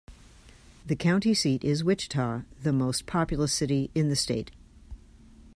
The county seat is Wichita, the most populous city in the state.